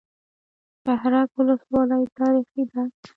شهرک ولسوالۍ تاریخي ده؟